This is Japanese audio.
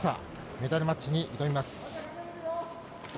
メダルマッチに挑みます。